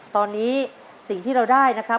ตอนนี้สิ่งที่เราได้นะครับ